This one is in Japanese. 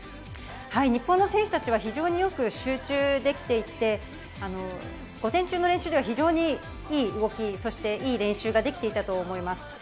日本の選手たちは非常によく集中できていて午前中の練習では非常にいい動きそして、いい練習ができていたと思います。